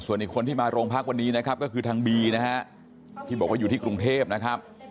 ส่วนอีกคนที่มาโรงพักวันนี้นะครับก็คือทางบีนะฮะที่บอกว่าอยู่ที่กรุงเทพนะครับ